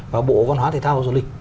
và bộ văn hóa thể thao và du lịch